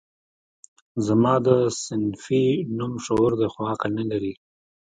زما ده صنفي نوم شعور دی خو عقل نه لري